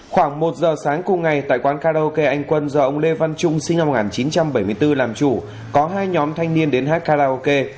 khoảng một giờ sáng cùng ngày tại quán karaoke anh quân do ông lê văn trung sinh năm một nghìn chín trăm bảy mươi bốn làm chủ có hai nhóm thanh niên đến hát karaoke